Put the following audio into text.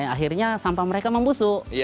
akhirnya sampah mereka membusuk